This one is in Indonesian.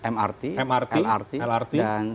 mrt lrt dan